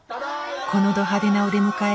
このど派手なお出迎え